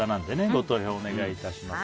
ご投票をお願いします。